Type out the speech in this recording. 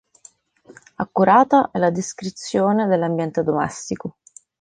Accurata è la descrizione dell'ambiente domestico.